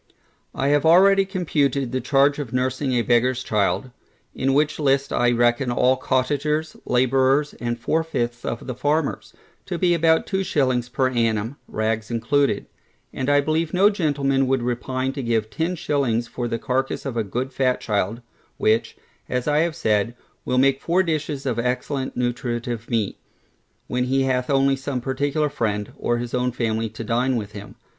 I have already computed the charge of nursing a beggarŌĆÖs child (in which list I reckon all cottagers, labourers, and four fifths of the farmers) to be about two shillings per annum, rags included; and I believe no gentleman would repine to give ten shillings for the carcass of a good fat child, which, as I have said, will make four dishes of excellent nutritive meat, when he hath only some particular friend, or his own family to dine with him.